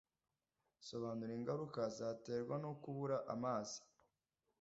Sobanura ingaruka zaterwa no kubura amazi.